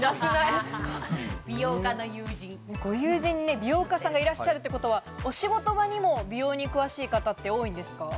ご友人に美容家さんがいらっしゃるということは、お仕事場にも美容に詳しい方は多いんですか？